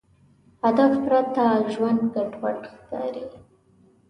د هدف پرته ژوند ګډوډ ښکاري.